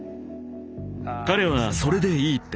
彼はそれでいいって。